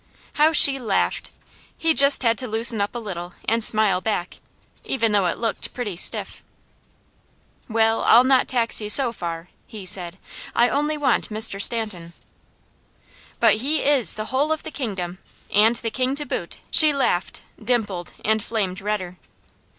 How she laughed! He just had to loosen up a little, and smile back, even though it looked pretty stiff. "Well, I'll not tax you so far," he said. "I only want Mr. Stanton." "But he is the whole of the kingdom, and the King to boot!" she laughed, dimpled, and flamed redder.